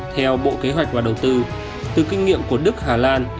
theo bộ kế hoạch và đầu tư từ kinh nghiệm của đức hà lan